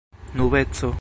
nubeco